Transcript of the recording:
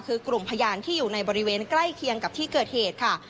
คือกลุ่มพยานที่อยู่ในบริเวณใกล้เคียงกับที่เกิดเหตุค่ะ